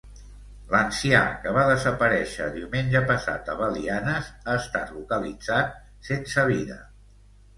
L'ancià que va desaparèixer diumenge passat a Belianes ha estat localitzat sense vida.